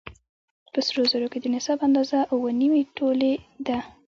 په سرو زرو کې د نصاب اندازه اووه نيمې تولې ده